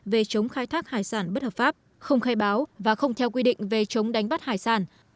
về chống khai thác hải sản bất hợp pháp không khai báo và không theo quy định về chống đánh bắt hải sản